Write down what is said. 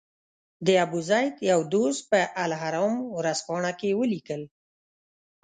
د ابوزید یو دوست په الاهرام ورځپاڼه کې ولیکل.